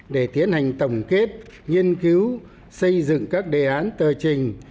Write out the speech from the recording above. để tiến hành tổng kết nghiên cứu xây dựng các đề án tờ trình